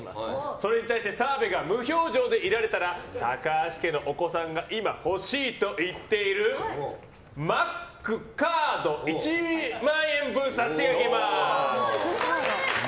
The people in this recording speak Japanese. それに対して澤部が無表情でいられたら高橋家のお子さんが今、欲しいと言っているマックカード１万円分差し上げます！